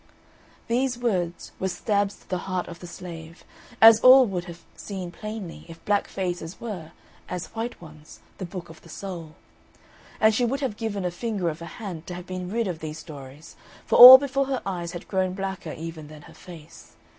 These words were stabs to the heart of the Slave, as all would have seen plainly if black faces were, as white ones, the book of the soul. And she would have given a finger of her hand to have been rid of these stories, for all before her eyes had grown blacker even than her face.